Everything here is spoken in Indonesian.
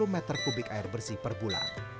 sepuluh m tiga air bersih per bulan